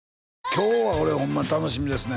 今日は俺ホンマに楽しみですね